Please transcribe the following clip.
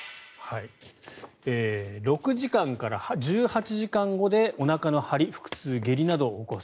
６時間から１８時間後でおなかの張り、腹痛下痢などを起こす。